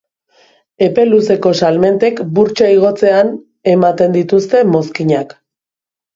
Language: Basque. Epe luzeko salmentek burtsa igotzean ematen dituzte mozkinak.